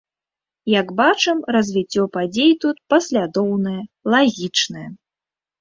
Як бачым, развіццё падзей тут паслядоўнае, лагічнае.